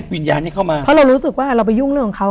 เพราะเรารู้สึกว่าเราไปยุ่งเรื่องของเขา